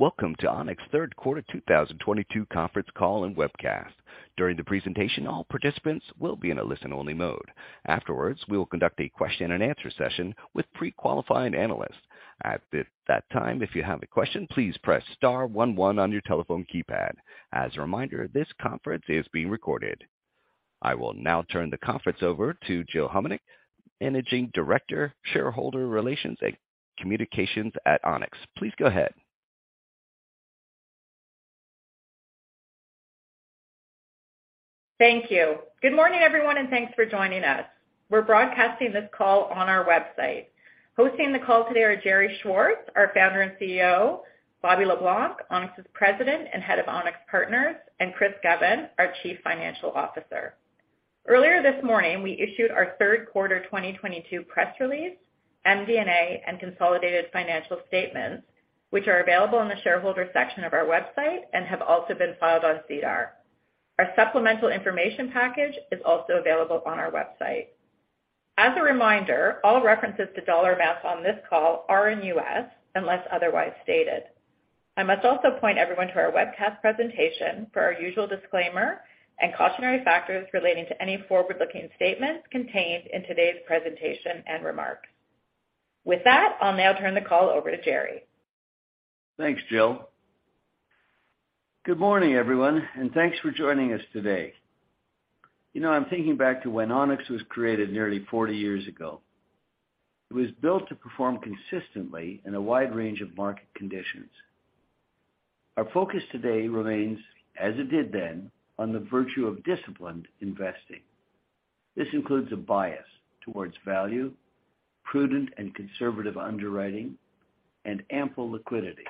Welcome to Onex third quarter 2022 conference call and webcast. During the presentation, all participants will be in a listen-only mode. Afterwards, we will conduct a question and answer session with pre-qualified analysts. At that time, if you have a question, please press star one one on your telephone keypad. As a reminder, this conference is being recorded. I will now turn the conference over to Jill Homenuk, Managing Director, Shareholder Relations and Communications at Onex. Please go ahead. Thank you. Good morning, everyone, and thanks for joining us. We're broadcasting this call on our website. Hosting the call today are Gerry Schwartz, our founder and CEO, Bobby Le Blanc, Onex's President and head of Onex Partners, and Chris Govan, our Chief Financial Officer. Earlier this morning, we issued our third quarter 2022 press release, MD&A, and consolidated financial statements, which are available in the shareholder section of our website and have also been filed on SEDAR. Our supplemental information package is also available on our website. As a reminder, all references to dollar amounts on this call are in U.S., unless otherwise stated. I must also point everyone to our webcast presentation for our usual disclaimer and cautionary factors relating to any forward-looking statements contained in today's presentation and remarks. With that, I'll now turn the call over to Gerry. Thanks, Jill. Good morning, everyone, and thanks for joining us today. You know, I'm thinking back to when Onex was created nearly 40 years ago. It was built to perform consistently in a wide range of market conditions. Our focus today remains, as it did then, on the virtue of disciplined investing. This includes a bias towards value, prudent and conservative underwriting, and ample liquidity.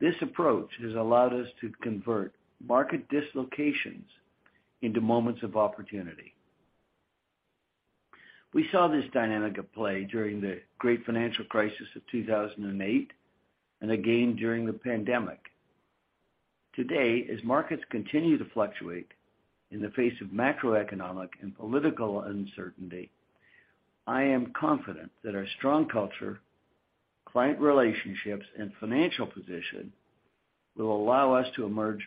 This approach has allowed us to convert market dislocations into moments of opportunity. We saw this dynamic at play during the great financial crisis of 2008 and again during the pandemic. Today, as markets continue to fluctuate in the face of macroeconomic and political uncertainty, I am confident that our strong culture, client relationships, and financial position will allow us to emerge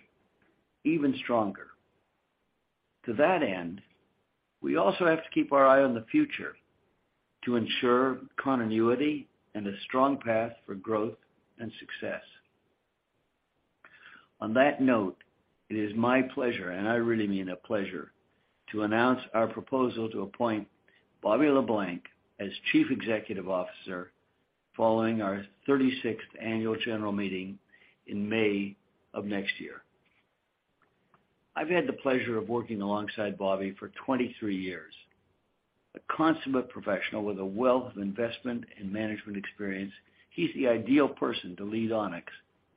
even stronger. To that end, we also have to keep our eye on the future to ensure continuity and a strong path for growth and success. On that note, it is my pleasure, and I really mean a pleasure, to announce our proposal to appoint Bobby Le Blanc as Chief Executive Officer following our 36th annual general meeting in May of next year. I've had the pleasure of working alongside Bobby for 23 years. A consummate professional with a wealth of investment and management experience, he's the ideal person to lead Onex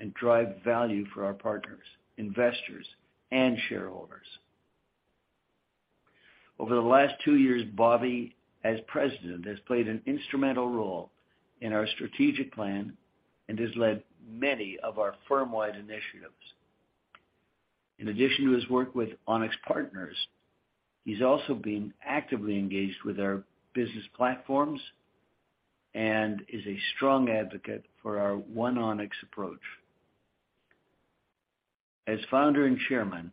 and drive value for our partners, investors, and shareholders. Over the last 2 years, Bobby, as President, has played an instrumental role in our strategic plan and has led many of our firm-wide initiatives. In addition to his work with Onex Partners, he's also been actively engaged with our business platforms and is a strong advocate for our One Onex approach. As founder and chairman,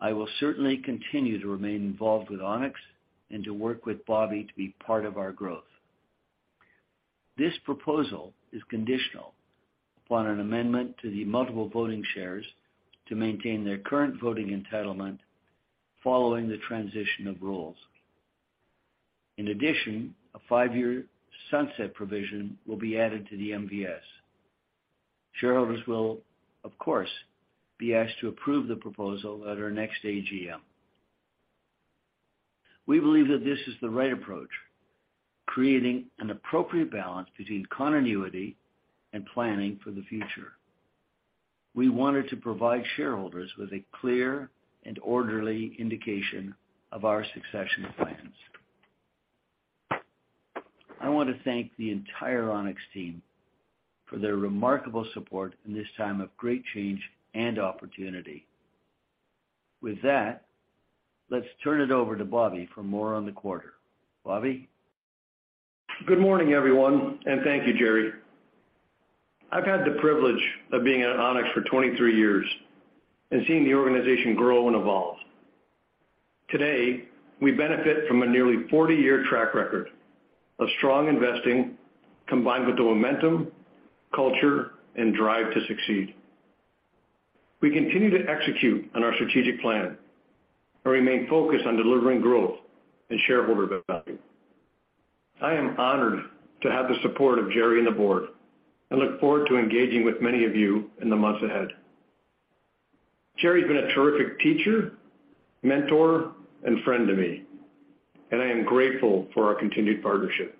I will certainly continue to remain involved with Onex and to work with Bobby to be part of our growth. This proposal is conditional upon an amendment to the multiple voting shares to maintain their current voting entitlement following the transition of roles. In addition, a five-year sunset provision will be added to the MVS. Shareholders will, of course, be asked to approve the proposal at our next AGM. We believe that this is the right approach, creating an appropriate balance between continuity and planning for the future. We wanted to provide shareholders with a clear and orderly indication of our succession plans. I want to thank the entire Onex team for their remarkable support in this time of great change and opportunity. With that, let's turn it over to Bobby for more on the quarter. Bobby? Good morning, everyone, and thank you, Gerry. I've had the privilege of being at Onex for 23 years and seeing the organization grow and evolve. Today, we benefit from a nearly 40-year track record of strong investing combined with the momentum, culture, and drive to succeed. We continue to execute on our strategic plan and remain focused on delivering growth and shareholder value. I am honored to have the support of Gerry and the board and look forward to engaging with many of you in the months ahead. Gerry has been a terrific teacher, mentor, and friend to me, and I am grateful for our continued partnership.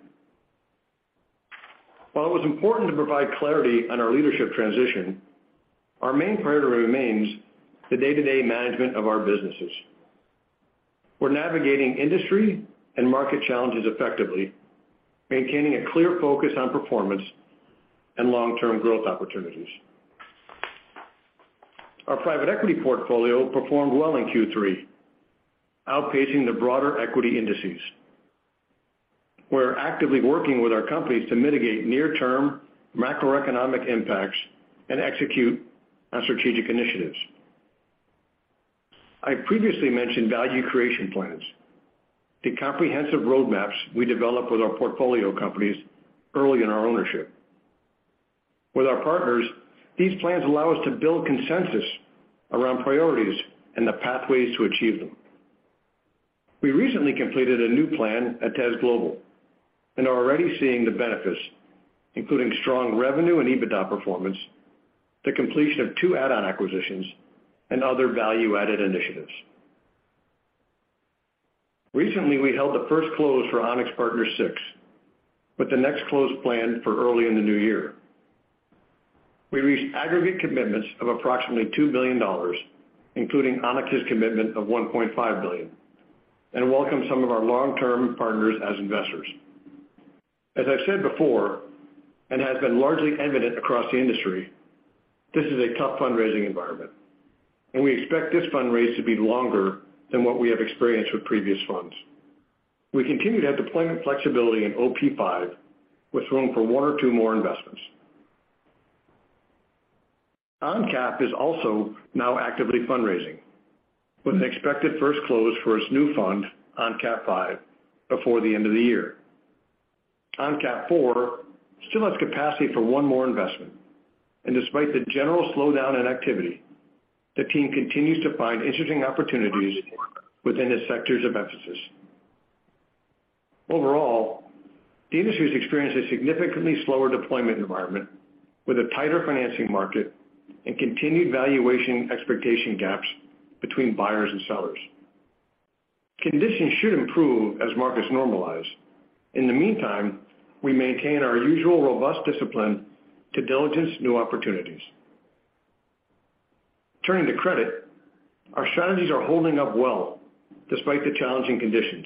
While it was important to provide clarity on our leadership transition, our main priority remains the day-to-day management of our businesses. We're navigating industry and market challenges effectively, maintaining a clear focus on performance and long-term growth opportunities. Our private equity portfolio performed well in Q3, outpacing the broader equity indices. We're actively working with our companies to mitigate near-term macroeconomic impacts and execute on strategic initiatives. I previously mentioned value creation plans, the comprehensive roadmaps we develop with our portfolio companies early in our ownership. With our partners, these plans allow us to build consensus around priorities and the pathways to achieve them. We recently completed a new plan at Tes Global and are already seeing the benefits, including strong revenue and EBITDA performance, the completion of two add-on acquisitions, and other value-added initiatives. Recently, we held the first close for Onex Partners VI, with the next close planned for early in the new year. We reached aggregate commitments of approximately $2 billion, including Onex's commitment of $1.5 billion, and welcome some of our long-term partners as investors. As I've said before, and has been largely evident across the industry, this is a tough fundraising environment, and we expect this fundraise to be longer than what we have experienced with previous funds. We continue to have deployment flexibility in OP V, with room for one or two more investments. ONCAP is also now actively fundraising, with an expected first close for its new fund, ONCAP V, before the end of the year. ONCAP IV still has capacity for one more investment, and despite the general slowdown in activity, the team continues to find interesting opportunities within its sectors of emphasis. Overall, the industry has experienced a significantly slower deployment environment with a tighter financing market and continued valuation expectation gaps between buyers and sellers. Conditions should improve as markets normalize. In the meantime, we maintain our usual robust discipline to diligence new opportunities. Turning to credit, our strategies are holding up well despite the challenging conditions.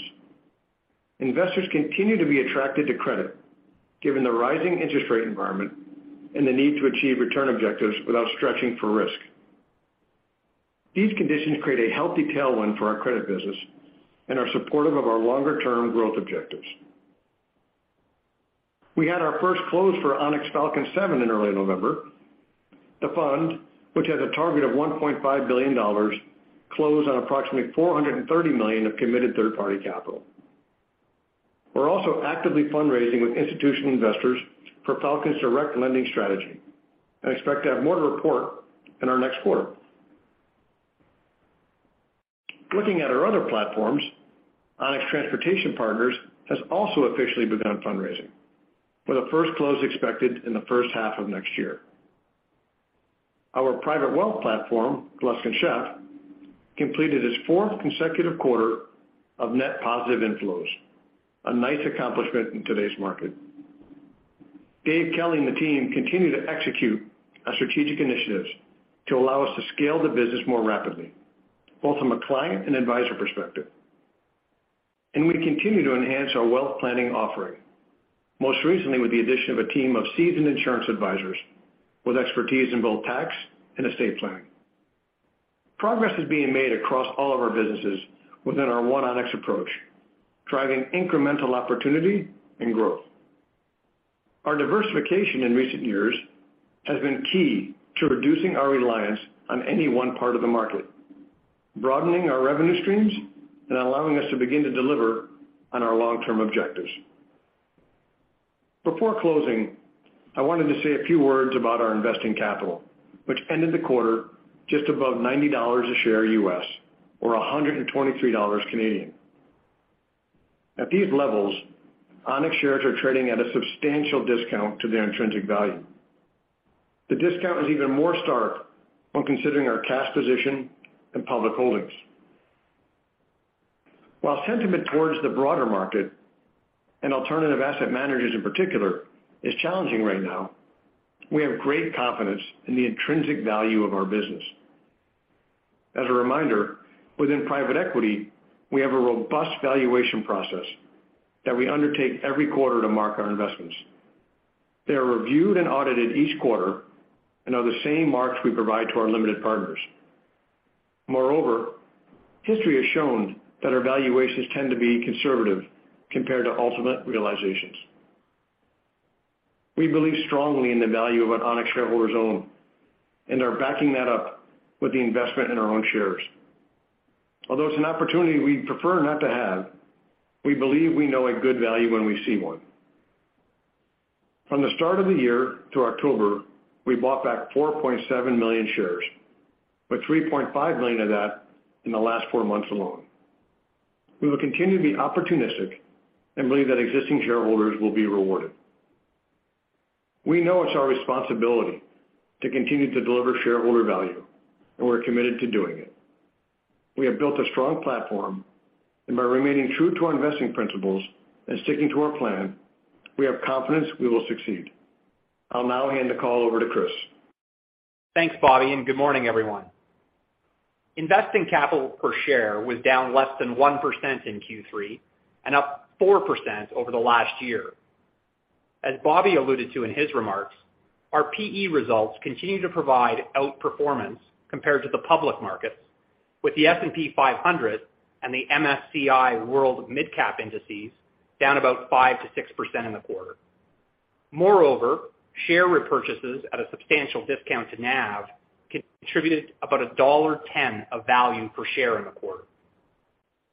Investors continue to be attracted to credit given the rising interest rate environment and the need to achieve return objectives without stretching for risk. These conditions create a healthy tailwind for our credit business and are supportive of our longer-term growth objectives. We had our first close for Onex Falcon VII in early November. The fund, which has a target of $1.5 billion, closed on approximately $430 million of committed third-party capital. We're also actively fundraising with institutional investors for Falcon's direct lending strategy and expect to have more to report in our next quarter. Looking at our other platforms, Onex Transportation Partners has also officially begun fundraising, with a first close expected in the first half of next year. Our private wealth platform, Gluskin Sheff, completed its fourth consecutive quarter of net positive inflows, a nice accomplishment in today's market. Dave Kelly and the team continue to execute our strategic initiatives to allow us to scale the business more rapidly, both from a client and advisor perspective. We continue to enhance our wealth planning offering, most recently with the addition of a team of seasoned insurance advisors with expertise in both tax and estate planning. Progress is being made across all of our businesses within our One Onex approach, driving incremental opportunity and growth. Our diversification in recent years has been key to reducing our reliance on any one part of the market, broadening our revenue streams, and allowing us to begin to deliver on our long-term objectives. Before closing, I wanted to say a few words about our investing capital, which ended the quarter just above $90 a share US or 123 Canadian dollars a share Canadian. At these levels, Onex shares are trading at a substantial discount to their intrinsic value. The discount is even more stark when considering our cash position and public holdings. While sentiment towards the broader market, and alternative asset managers in particular, is challenging right now, we have great confidence in the intrinsic value of our business. As a reminder, within private equity, we have a robust valuation process that we undertake every quarter to mark our investments. They are reviewed and audited each quarter and are the same marks we provide to our limited partners. Moreover, history has shown that our valuations tend to be conservative compared to ultimate realizations. We believe strongly in the value of what Onex shareholders own and are backing that up with the investment in our own shares. Although it's an opportunity we'd prefer not to have, we believe we know a good value when we see one. From the start of the year to October, we bought back 4.7 million shares, with 3.5 million of that in the last 4 months alone. We will continue to be opportunistic and believe that existing shareholders will be rewarded. We know it's our responsibility to continue to deliver shareholder value, and we're committed to doing it. We have built a strong platform, and by remaining true to our investing principles and sticking to our plan, we have confidence we will succeed. I'll now hand the call over to Chris. Thanks, Bobby, and good morning, everyone. Investing capital per share was down less than 1% in Q3 and up 4% over the last year. As Bobby alluded to in his remarks, our PE results continue to provide outperformance compared to the public markets, with the S&P 500 and the MSCI World Mid Cap indices down about 5%-6% in the quarter. Moreover, share repurchases at a substantial discount to NAV contributed about $1.10 of value per share in the quarter.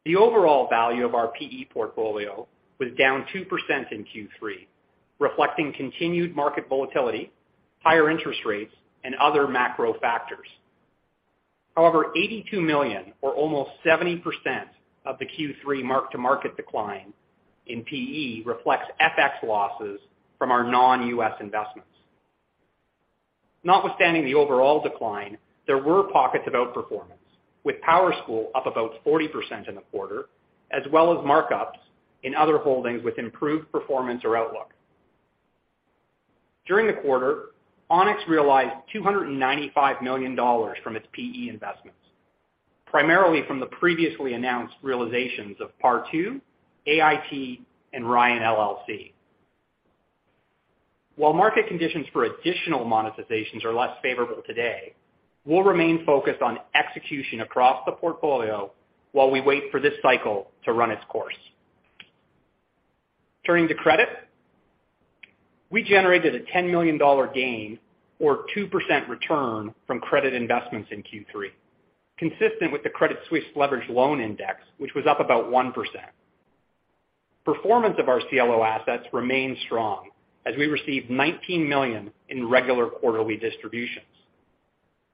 The overall value of our PE portfolio was down 2% in Q3, reflecting continued market volatility, higher interest rates, and other macro factors. However, $82 million, or almost 70% of the Q3 mark-to-market decline in PE reflects FX losses from our non-US investments. Notwithstanding the overall decline, there were pockets of outperformance, with PowerSchool up about 40% in the quarter, as well as markups in other holdings with improved performance or outlook. During the quarter, Onex realized $295 million from its PE investments, primarily from the previously announced realizations of Partou, AIT and Ryan LLC. While market conditions for additional monetizations are less favorable today, we'll remain focused on execution across the portfolio while we wait for this cycle to run its course. Turning to credit. We generated a $10 million gain or 2% return from credit investments in Q3, consistent with the Credit Suisse Leveraged Loan Index, which was up about 1%. Performance of our CLO assets remained strong as we received $19 million in regular quarterly distributions.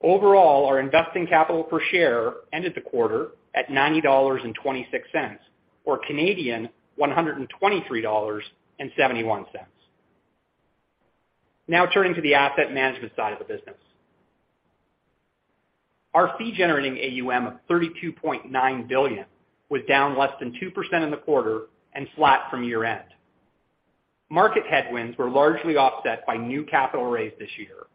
Overall, our investing capital per share ended the quarter at $90.26, or 123.71 Canadian dollars. Now turning to the asset management side of the business. Our fee-generating AUM of $32.9 billion was down less than 2% in the quarter and flat from year-end. Market headwinds were largely offset by new capital raised this year,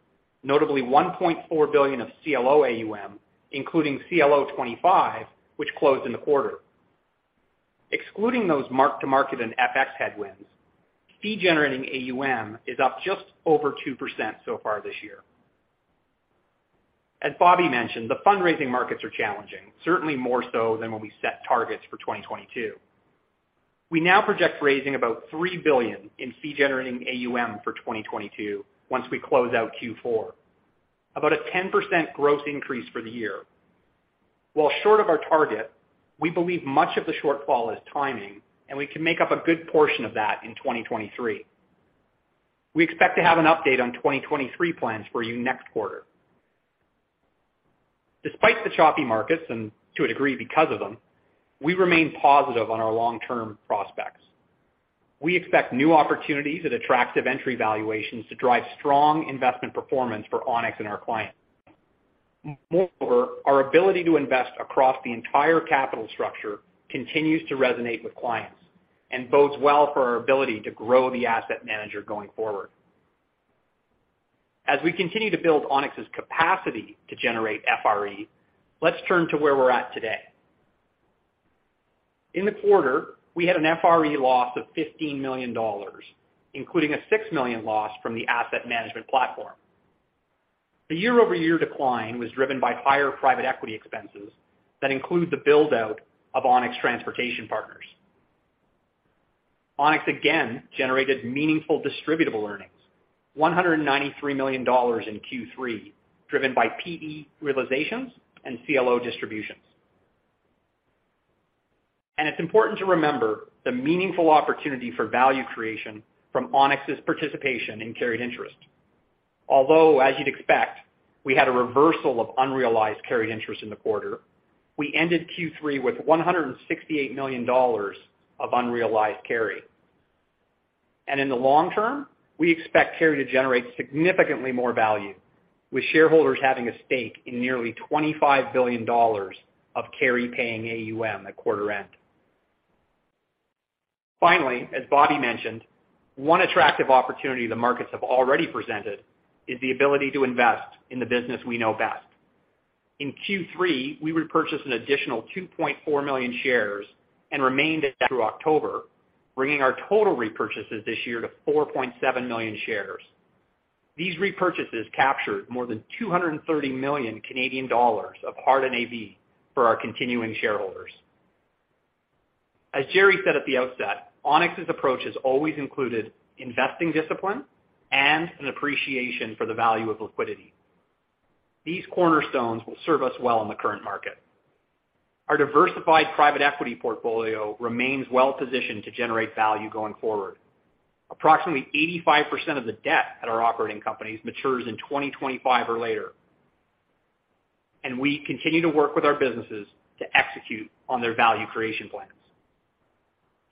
notably $1.4 billion of CLO AUM, including CLO 25, which closed in the quarter. Excluding those mark-to-market and FX headwinds, fee generating AUM is up just over 2% so far this year. As Bobby mentioned, the fundraising markets are challenging, certainly more so than when we set targets for 2022. We now project raising about $3 billion in fee generating AUM for 2022 once we close out Q4, about a 10% growth increase for the year. While short of our target, we believe much of the shortfall is timing, and we can make up a good portion of that in 2023. We expect to have an update on 2023 plans for you next quarter. Despite the choppy markets, and to a degree because of them, we remain positive on our long-term prospects. We expect new opportunities at attractive entry valuations to drive strong investment performance for Onex and our clients. Moreover, our ability to invest across the entire capital structure continues to resonate with clients and bodes well for our ability to grow the asset manager going forward. As we continue to build Onex's capacity to generate FRE, let's turn to where we're at today. In the quarter, we had an FRE loss of $15 million, including a $6 million loss from the asset management platform. The year-over-year decline was driven by higher private equity expenses that include the build-out of Onex Transportation Partners. Onex again generated meaningful distributable earnings, $193 million in Q3, driven by PE realizations and CLO distributions. It's important to remember the meaningful opportunity for value creation from Onex's participation in carried interest. Although, as you'd expect, we had a reversal of unrealized carried interest in the quarter, we ended Q3 with $168 million of unrealized carry. In the long term, we expect carry to generate significantly more value, with shareholders having a stake in nearly $25 billion of carry paying AUM at quarter end. Finally, as Bobby mentioned, one attractive opportunity the markets have already presented is the ability to invest in the business we know best. In Q3, we repurchased an additional 2.4 million shares and remained through October, bringing our total repurchases this year to 4.7 million shares. These repurchases captured more than 230 million Canadian dollars of hard NAV for our continuing shareholders. As Gerry said at the outset, Onex's approach has always included investing discipline and an appreciation for the value of liquidity. These cornerstones will serve us well in the current market. Our diversified private equity portfolio remains well positioned to generate value going forward. Approximately 85% of the debt at our operating companies matures in 2025 or later, and we continue to work with our businesses to execute on their value creation plans.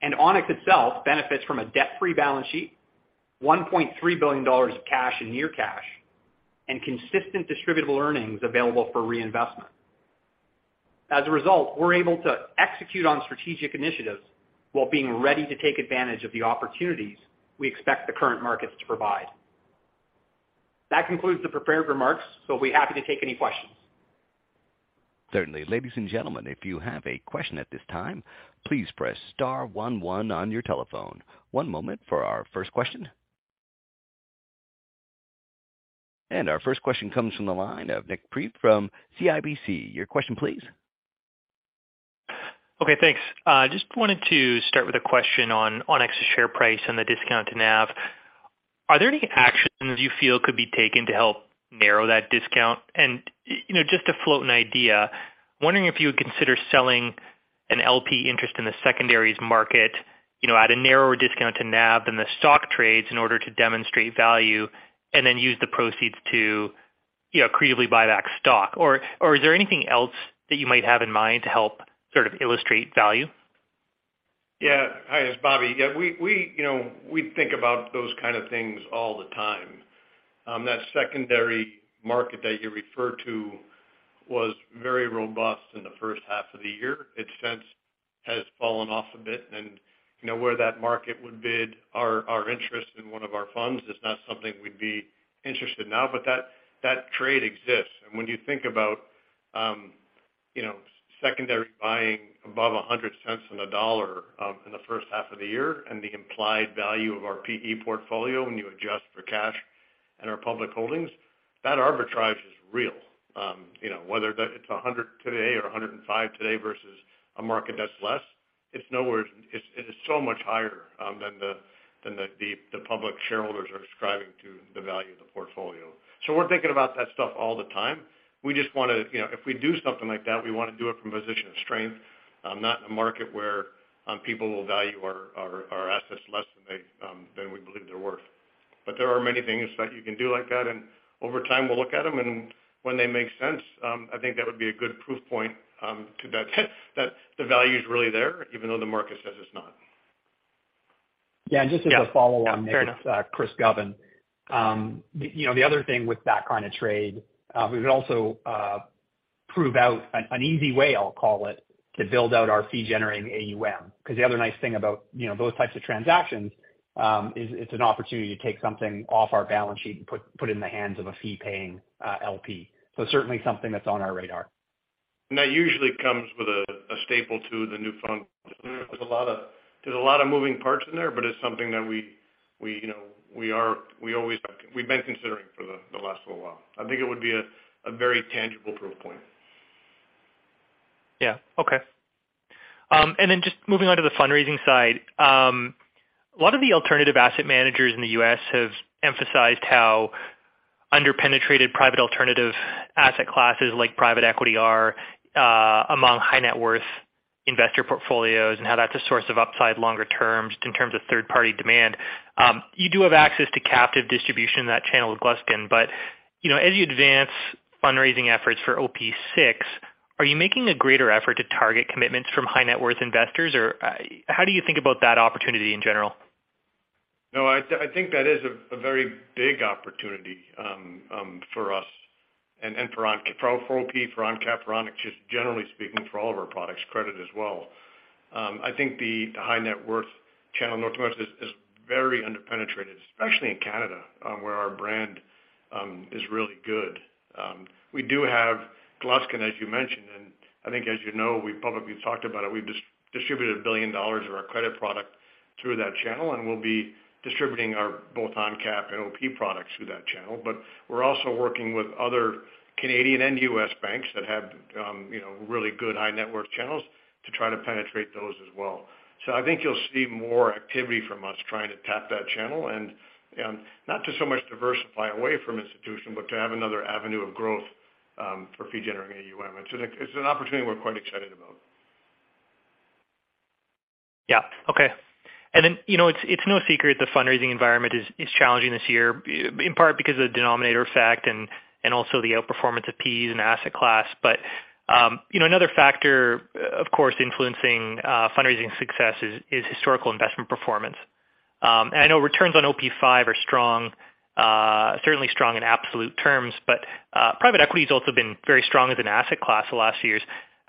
Onex itself benefits from a debt-free balance sheet, $1.3 billion of cash and near cash, and consistent distributable earnings available for reinvestment. As a result, we're able to execute on strategic initiatives while being ready to take advantage of the opportunities we expect the current markets to provide. That concludes the prepared remarks. We'll be happy to take any questions. Certainly. Ladies and gentlemen, if you have a question at this time, please press star one one on your telephone. One moment for our first question. Our first question comes from the line of Nik Priebe from CIBC. Your question, please. Okay, thanks. Just wanted to start with a question on Onex's share price and the discount to NAV. Are there any actions you feel could be taken to help narrow that discount? You know, just to float an idea, wondering if you would consider selling an LP interest in the secondaries market, you know, at a narrower discount to NAV than the stock trades in order to demonstrate value, and then use the proceeds to, you know, creatively buy back stock? Or is there anything else that you might have in mind to help sort of illustrate value? Yeah. Hi, it's Bobby. Yeah, you know, we think about those kind of things all the time. That secondary market that you refer to was very robust in the first half of the year. It since has fallen off a bit and, you know, where that market would bid our interest in one of our funds is not something we'd be interested in now, but that trade exists. When you think about, you know, secondary buying above 100 cents on the dollar, in the first half of the year and the implied value of our PE portfolio when you adjust for cash and our public holdings, that arbitrage is real. You know, whether it's $100 today or $105 today versus a market that's less. It is so much higher than the public shareholders are ascribing to the value of the portfolio. We're thinking about that stuff all the time. We just wanna, you know, if we do something like that, we wanna do it from a position of strength, not in a market where people will value our assets less than we believe they're worth. There are many things that you can do like that, and over time, we'll look at them, and when they make sense, I think that would be a good proof point to that the value is really there even though the market says it's not. Yeah. Just as a follow on- Yeah. Fair enough. You know, the other thing with that kind of trade, we would also prove out an easy way, I'll call it, to build out our fee generating AUM. Because the other nice thing about, you know, those types of transactions, is it's an opportunity to take something off our balance sheet and put it in the hands of a fee-paying LP. Certainly something that's on our radar. That usually comes with a staple to the new fund. There's a lot of moving parts in there, but it's something that you know, we've been considering for the last little while. I think it would be a very tangible proof point. Just moving on to the fundraising side. A lot of the alternative asset managers in the US have emphasized how under-penetrated private alternative asset classes like private equity are among high net worth investor portfolios and how that's a source of upside longer term just in terms of third-party demand. You do have access to captive distribution in that channel with Gluskin. But you know, as you advance fundraising efforts for OP VI, are you making a greater effort to target commitments from high net worth investors? Or how do you think about that opportunity in general? No, I think that is a very big opportunity for us and for OP, for ONCAP, for Onex, just generally speaking, for all of our products, credit as well. I think the high net worth channel northwest is very under-penetrated, especially in Canada, where our brand is really good. We do have Gluskin, as you mentioned, and I think as you know, we've publicly talked about it. We've distributed $1 billion of our credit product through that channel, and we'll be distributing both our ONCAP and OP products through that channel. We're also working with other Canadian and U.S. banks that have, you know, really good high net worth channels to try to penetrate those as well. I think you'll see more activity from us trying to tap that channel and, not to so much diversify away from institution, but to have another avenue of growth, for fee generating AUM. It's an opportunity we're quite excited about. Yeah. Okay. You know, it's no secret the fundraising environment is challenging this year, in part because of the denominator effect and also the outperformance of PE as an asset class. You know, another factor of course influencing fundraising success is historical investment performance. I know returns on OP V are strong, certainly strong in absolute terms. Private equity's also been very strong as an asset class the last few years.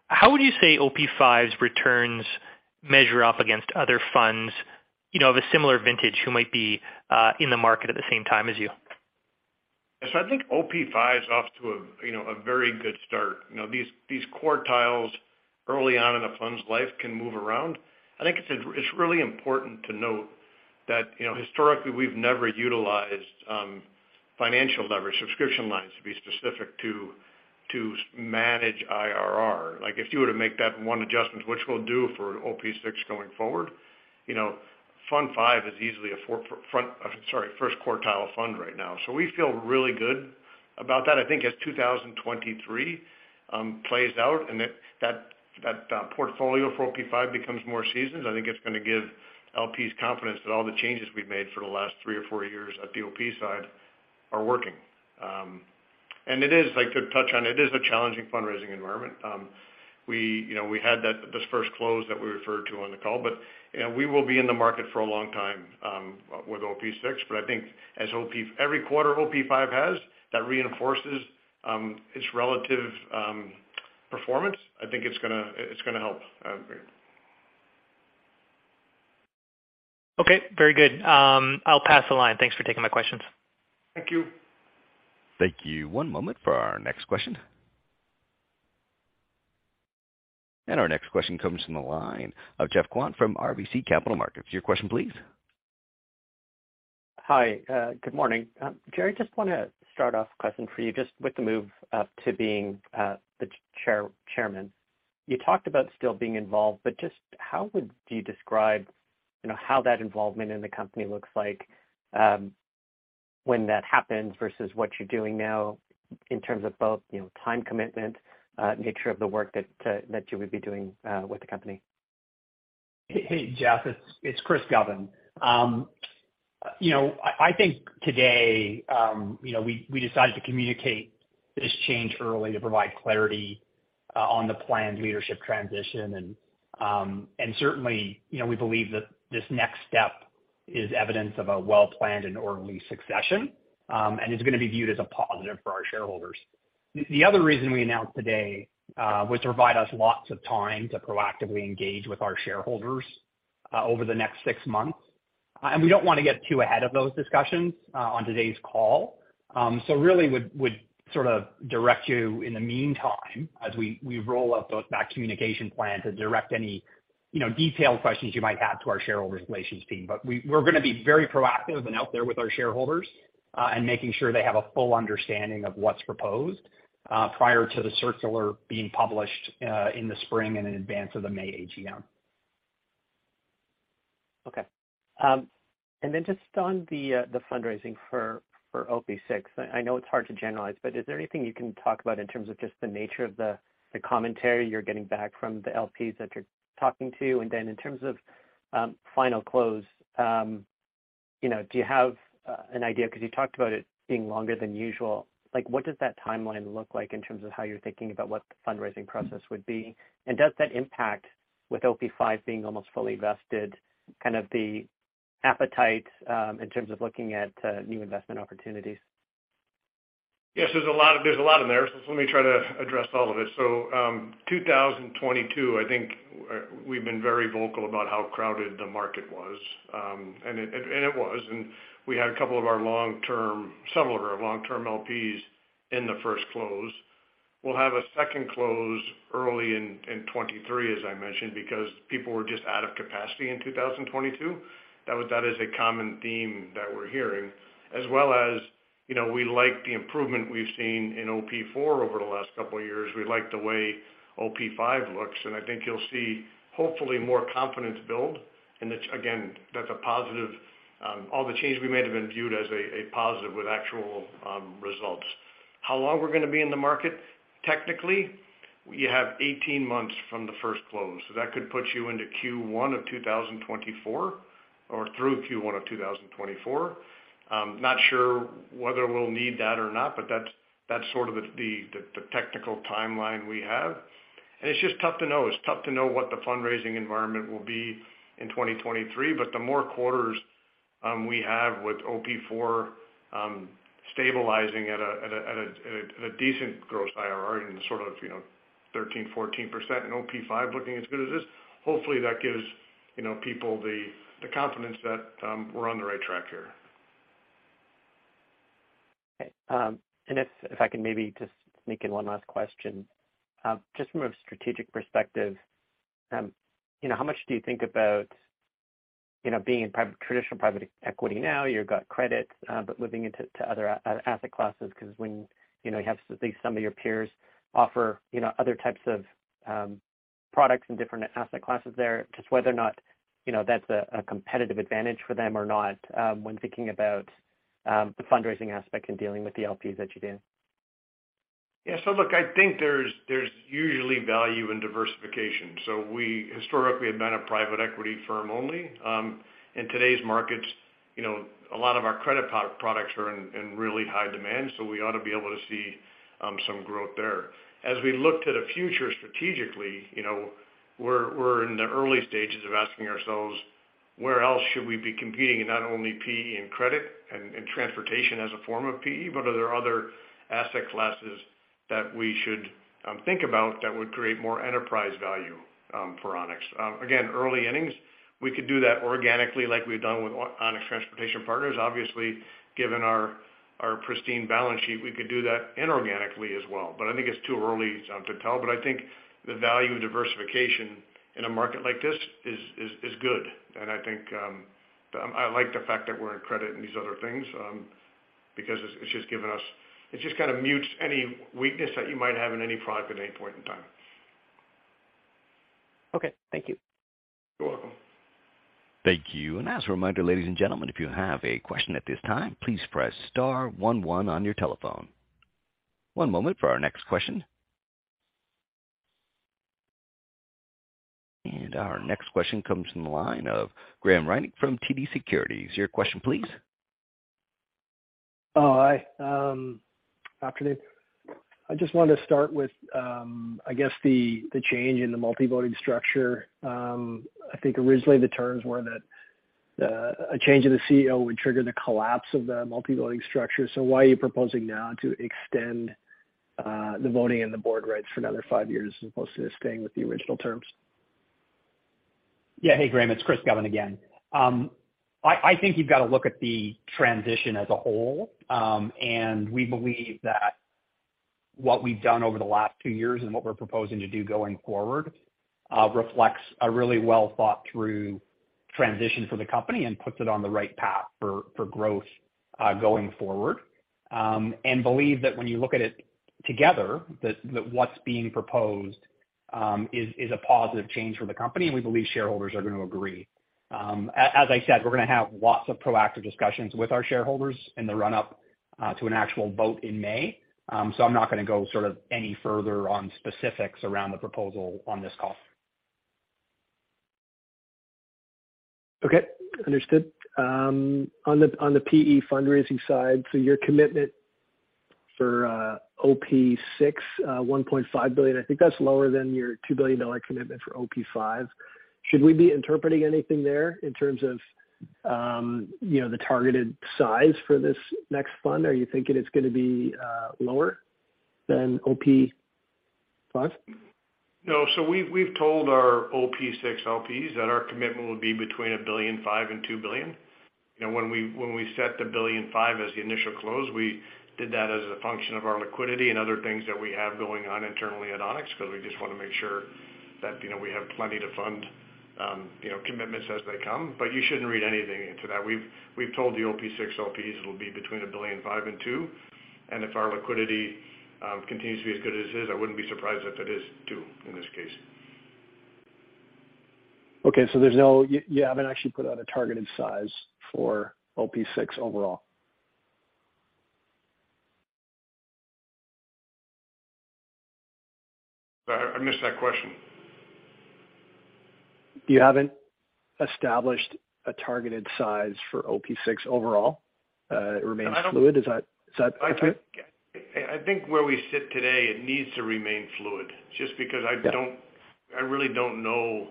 How would you say OP V's returns measure up against other funds, you know, of a similar vintage who might be in the market at the same time as you? Yes, I think OP V is off to a, you know, a very good start. You know, these quartiles early on in a fund's life can move around. I think it's really important to note that, you know, historically, we've never utilized financial leverage, subscription lines, to be specific, to manage IRR. Like, if you were to make that one adjustment, which we'll do for OP VI going forward, you know, fund five is easily a first quartile fund right now. We feel really good about that. I think as 2023 plays out and that portfolio for OP V becomes more seasoned, I think it's gonna give LPs confidence that all the changes we've made for the last three or four years at the OP side are working. Like, to touch on it is a challenging fundraising environment. You know, we had this first close that we referred to on the call. You know, we will be in the market for a long time with OP VI. I think every quarter OP V has that reinforces its relative performance. I think it's gonna help. Okay, very good. I'll pass the line. Thanks for taking my questions. Thank you. Thank you. One moment for our next question. Our next question comes from the line of Geoffrey Kwan from RBC Capital Markets. Your question please. Hi, good morning. Gerry, just wanna start off with a question for you just with the move up to being the chairman. You talked about still being involved, but just how would you describe, you know, how that involvement in the company looks like, when that happens versus what you're doing now in terms of both, you know, time commitment, nature of the work that you would be doing with the company? Hey, Jeff, it's Chris Govan. You know, I think today, you know, we decided to communicate this change early to provide clarity on the planned leadership transition. Certainly, you know, we believe that this next step is evidence of a well-planned and orderly succession and is gonna be viewed as a positive for our shareholders. The other reason we announced today was to provide us lots of time to proactively engage with our shareholders over the next six months. We don't wanna get too ahead of those discussions on today's call. Really would sort of direct you in the meantime as we roll out both that communication plan to direct any, you know, detailed questions you might have to our shareholder relations team. We're gonna be very proactive and out there with our shareholders, and making sure they have a full understanding of what's proposed, prior to the circular being published, in the spring and in advance of the May AGM. Okay. Just on the fundraising for OP VI, I know it's hard to generalize, but is there anything you can talk about in terms of just the nature of the commentary you're getting back from the LPs that you're talking to? In terms of final close, you know, do you have an idea 'cause you talked about it being longer than usual? Like, what does that timeline look like in terms of how you're thinking about what the fundraising process would be? Does that impact with OP V being almost fully vested, kind of the appetite in terms of looking at new investment opportunities? Yes, there's a lot in there, so let me try to address all of it. 2022, I think, we've been very vocal about how crowded the market was. It was, and we had several of our long-term LPs in the first close. We'll have a second close early in 2023, as I mentioned, because people were just out of capacity in 2022. That is a common theme that we're hearing. As well as, you know, we like the improvement we've seen in OP IV over the last couple of years. We like the way OP V looks, and I think you'll see hopefully more confidence build. It's again, that's a positive. All the changes we made have been viewed as a positive with actual results. How long we're gonna be in the market? Technically, we have 18 months from the first close. That could put you into Q1 of 2024 or through Q1 of 2024. Not sure whether we'll need that or not, but that's sort of the technical timeline we have. It's just tough to know. It's tough to know what the fundraising environment will be in 2023, but the more quarters we have with OP IV stabilizing at a decent gross IRR in sort of, you know, 13%-14% and OP V looking as good as this, hopefully, that gives, you know, people the confidence that we're on the right track here. Okay. If I can maybe just sneak in one last question. Just from a strategic perspective, you know, how much do you think about, you know, being in traditional private equity now, you've got credits, but moving into other asset classes 'cause when, you know, you have at least some of your peers offer, you know, other types of products and different asset classes there, just whether or not, you know, that's a competitive advantage for them or not, when thinking about the fundraising aspect in dealing with the LPs that you do? Yeah. Look, I think there's usually value in diversification. We historically have been a private equity firm only. In today's markets, you know, a lot of our credit products are in really high demand, so we ought to be able to see some growth there. As we look to the future strategically, you know, we're in the early stages of asking ourselves, where else should we be competing in not only PE and credit and transportation as a form of PE, but are there other asset classes that we should think about that would create more enterprise value for Onex? Again, early innings. We could do that organically like we've done with Onex Transportation Partners. Obviously, given our pristine balance sheet, we could do that inorganically as well. I think it's too early to tell. I think the value of diversification in a market like this is good. I think I like the fact that we're in credit and these other things, because it's just given us. It just kinda mutes any weakness that you might have in any product at any point in time. Okay. Thank you. You're welcome. Thank you. As a reminder, ladies and gentlemen, if you have a question at this time, please press star one one on your telephone. One moment for our next question. Our next question comes from the line of Graham Ryding from TD Securities. Your question please. Afternoon. I just wanted to start with, I guess the change in the multi-voting structure. I think originally the terms were that a change in the CEO would trigger the collapse of the multi-voting structure. Why are you proposing now to extend the voting and the board rights for another five years as opposed to just staying with the original terms. Yeah. Hey, Graham, it's Chris Govan again. I think you've got to look at the transition as a whole. We believe that what we've done over the last two years and what we're proposing to do going forward reflects a really well thought through transition for the company and puts it on the right path for growth going forward. We believe that when you look at it together, that what's being proposed is a positive change for the company, and we believe shareholders are gonna agree. As I said, we're gonna have lots of proactive discussions with our shareholders in the run up to an actual vote in May. I'm not gonna go sort of any further on specifics around the proposal on this call. Okay. Understood. On the PE fundraising side, your commitment for OP VI, $1.5 billion, I think that's lower than your $2 billion commitment for OP V. Should we be interpreting anything there in terms of you know, the targeted size for this next fund? Are you thinking it's gonna be lower than OP V? No. We've told our OP VI LPs that our commitment will be between $1.5 billion and $2 billion. You know, when we set the $1.5 billion as the initial close, we did that as a function of our liquidity and other things that we have going on internally at Onex, 'cause we just wanna make sure that, you know, we have plenty to fund, you know, commitments as they come. But you shouldn't read anything into that. We've told the OP VI LPs it'll be between $1.5 billion and $2 billion, and if our liquidity continues to be as good as it is, I wouldn't be surprised if it is $2 billion in this case. You haven't actually put out a targeted size for OP VI overall. I missed that question. You haven't established a targeted size for OP VI overall? It remains fluid. Is that fair? I think where we sit today, it needs to remain fluid just because I don't. Yeah. I really don't know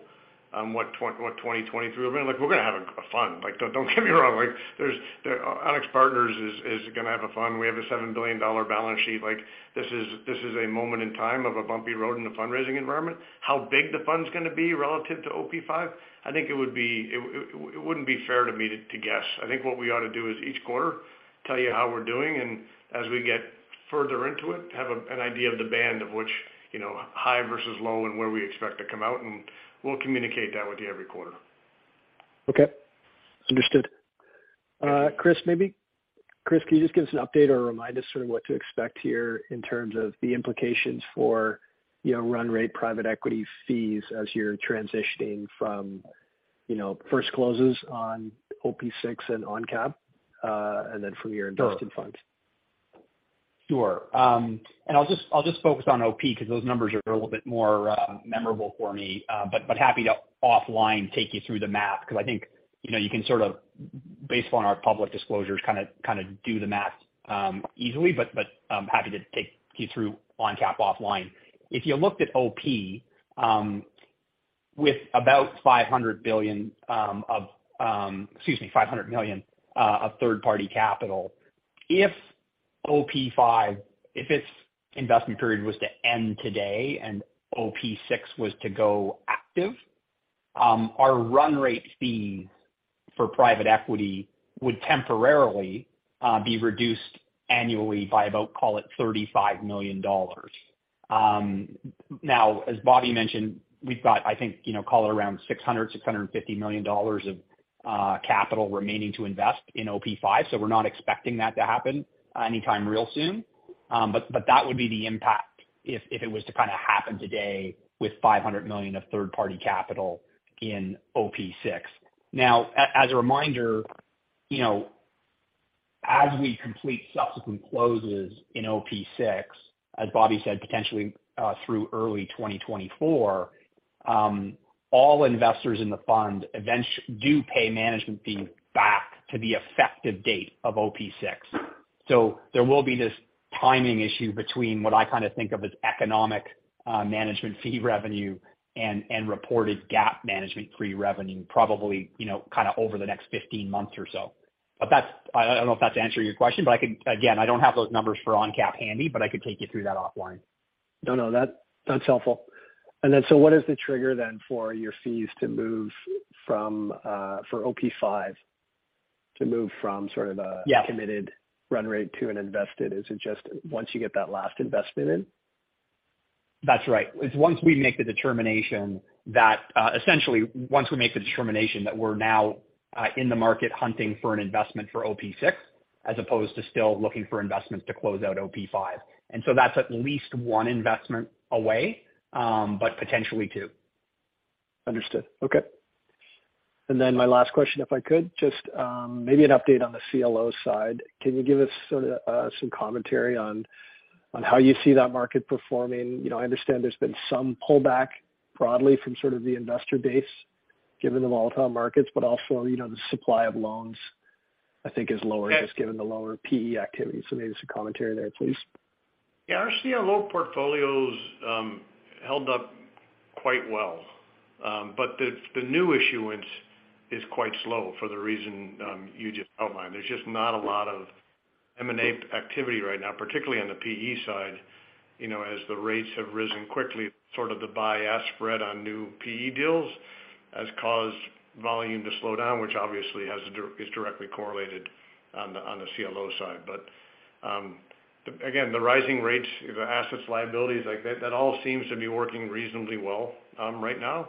what 2023 will bring. Like, we're gonna have a fund. Like, don't get me wrong. Like, Onex Partners is gonna have a fund. We have a $7 billion balance sheet. Like, this is a moment in time of a bumpy road in the fundraising environment. How big the fund's gonna be relative to OP V, I think it would be. It wouldn't be fair to me to guess. I think what we ought to do is each quarter tell you how we're doing, and as we get further into it, have an idea of the band of which, you know, high versus low and where we expect to come out, and we'll communicate that with you every quarter. Okay. Understood. Chris, can you just give us an update or remind us sort of what to expect here in terms of the implications for, you know, run rate private equity fees as you're transitioning from, you know, first closes on OP VI and ONCAP, and then from your invested funds? Sure. I'll just focus on OP 'cause those numbers are a little bit more memorable for me. Happy to take you offline through the math, 'cause I think, you know, you can sort of, based on our public disclosures, kinda do the math easily. Happy to take you through ONCAP offline. If you looked at OP with about $500 million of third-party capital, if OP V, its investment period was to end today and OP VI was to go active, our run rate fees for private equity would temporarily be reduced annually by about, call it $35 million. Now as Bobby mentioned, we've got, I think, you know, call it around $650 million of capital remaining to invest in OP V, so we're not expecting that to happen anytime real soon. But that would be the impact if it was to kinda happen today with $500 million of third-party capital in OP VI. As a reminder, you know, as we complete subsequent closes in OP VI, as Bobby said, potentially through early 2024, all investors in the fund do pay management fees back to the effective date of OP VI. So there will be this timing issue between what I kinda think of as economic management fee revenue and reported GAAP management fee revenue, probably, you know, kinda over the next 15 months or so. But that's. I don't know if that's answering your question, but I could. Again, I don't have those numbers for ONCAP handy, but I could take you through that offline. No, no. That's helpful. What is the trigger then for OP V to move from sort of a- Yeah. Committed run rate to an investment? Is it just once you get that last investment in? That's right. It's once we make the determination that we're now in the market hunting for an investment for OP VI as opposed to still looking for investments to close out OP V. That's at least one investment away, but potentially two. Understood. Okay. My last question, if I could, just maybe an update on the CLO side. Can you give us sorta some commentary on how you see that market performing? You know, I understand there's been some pullback broadly from sort of the investor base given the volatile markets, but also, you know, the supply of loans I think is lower. Yeah. Just given the lower PE activity. Maybe some commentary there, please. Yeah. Our CLO portfolio's held up quite well. The new issuance is quite slow for the reason you just outlined. There's just not a lot of M&A activity right now, particularly on the PE side. You know, as the rates have risen quickly, sort of the buy-out spread on new PE deals has caused volume to slow down, which obviously is directly correlated on the CLO side. Again, the rising rates, the asset-liability, like that all seems to be working reasonably well right now.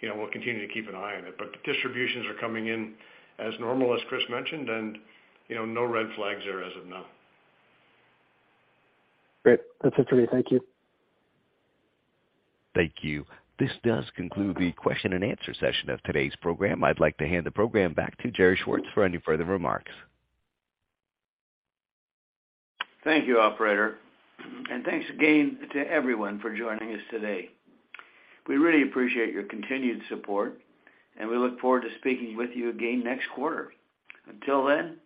You know, we'll continue to keep an eye on it. The distributions are coming in as normal as Chris mentioned, and you know, no red flags there as of now. Great. That's it for me. Thank you. Thank you. This does conclude the question and answer session of today's program. I'd like to hand the program back to Gerry Schwartz for any further remarks. Thank you, operator, and thanks again to everyone for joining us today. We really appreciate your continued support, and we look forward to speaking with you again next quarter. Until then,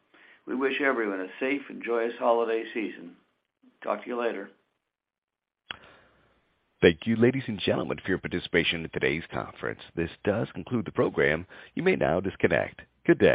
we wish everyone a safe and joyous holiday season. Talk to you later. Thank you, ladies and gentlemen, for your participation in today's conference. This does conclude the program. You may now disconnect. Good day.